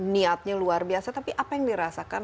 niatnya luar biasa tapi apa yang dirasakan